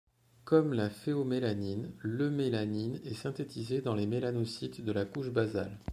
Comme la phéomélanine, l’eumélanine est synthétisée dans les mélanocytes de la couche basale.